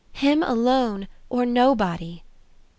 "Him alone or nobody."